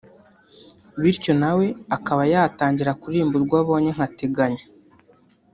bityo nawe akaba yatangira kuririmba urwo abonye nka Teganya